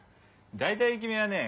大体君はね